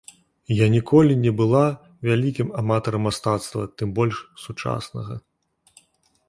Я ніколі не была вялікім аматарам мастацтва, тым больш сучаснага.